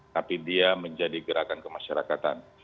tapi dia menjadi gerakan kemasyarakatan